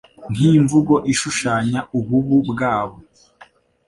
Nk’ imvugo ishushanya ububu bwabo